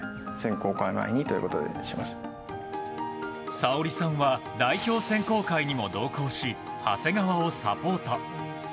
紗欧里さんは代表選考会にも同行し長谷川をサポート。